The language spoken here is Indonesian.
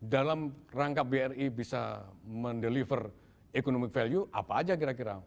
dalam rangka bri bisa mendeliver economic value apa aja kira kira